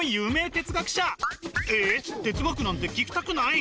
哲学なんて聞きたくない？